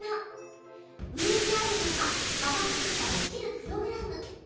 上にあるのが雨つぶが落ちるプログラム。